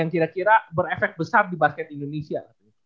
yang kira kira berefek besar di basket indonesia